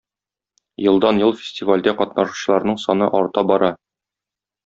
Елдан-ел фестивальдә катнашучыларның саны арта бара.